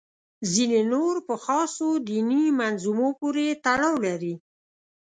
ځینې نور په خاصو دیني منظومو پورې تړاو لري.